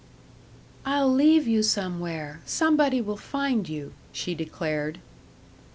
"I'll leave you somewhere. Somebody will find you," she declared.